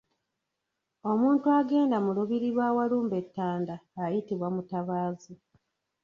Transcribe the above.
Omuntu agenda mu lubiri lwa Walumbe e Ttanda ayitibwa Mutabaazi.